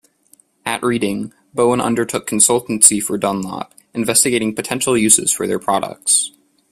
At Reading, Bowen undertook consultancy for Dunlop, investigating potential uses for their products.